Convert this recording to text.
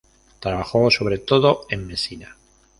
Trabajó sobre todo en Mesina.